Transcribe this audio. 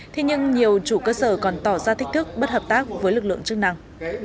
thế nhưng nhiều chủ cơ sở còn tỏ ra thích bất hợp tác với lực lượng chức năng